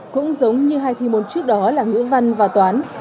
cũng giống như hai thi môn trước đó là ngữ văn và toán